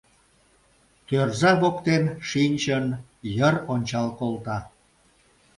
Тӧрза воктен шинчын, йыр ончал колта.